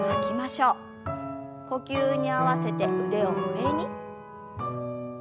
呼吸に合わせて腕を上に。